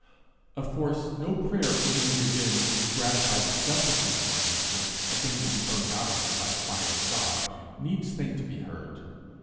Of course, no prayer for any revenge that would gratify the selfishness of our nature, a thing to be burned out of us by the fire of God, needs think to be heard.